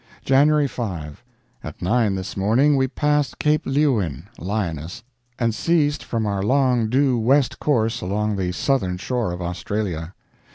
January 5. At 9 this morning we passed Cape Leeuwin (lioness) and ceased from our long due west course along the southern shore of Australia.